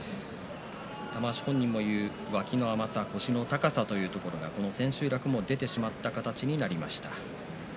玉鷲本人も言う脇の甘さ、腰の高さというところが千秋楽も出てしまった形になりました。